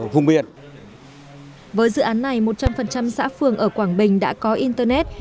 với dự án này một trăm linh xã phường ở quảng bình đã có internet